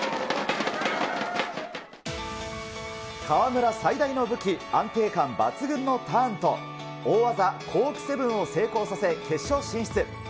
川村最大の武器、安定感抜群のターンと、大技、コークセブンを成功させ、決勝進出。